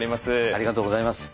ありがとうございます。